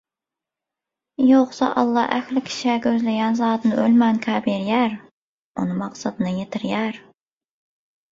Ýogsa, Alla ähli kişä gözleýän zadyny ölmänkä berýär, ony maksadyna ýetirýär.